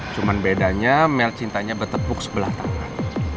cuma bedanya mel cintanya bertepuk sebelah tangan